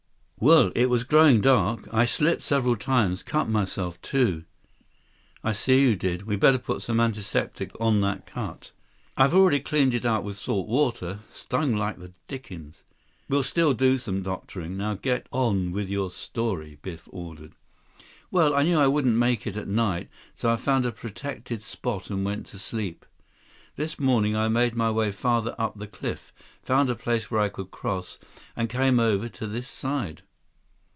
"Well, it was growing dark. I slipped several times, cut myself, too." 121 "I see you did. We better put some antiseptic on that cut." "I've already cleaned it out with salt water. Stung like the dickens." "We'll still do some more doctoring. Now get on with your story," Biff ordered. "Well, I knew I wouldn't make it at night, so I found a protected spot and went to sleep. This morning, I made my way farther up the cliff, found a place where I could cross, and came over to this side."